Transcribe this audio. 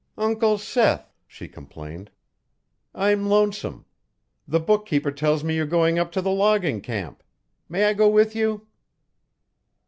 "Uncle Seth," she complained, "I'm lonesome. The bookkeeper tells me you're going up to the logging camp. May I go with you?"